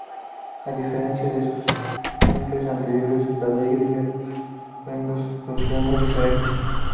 A diferencia de sus singles anteriores, su cabello y atuendos lucían muy diferentes.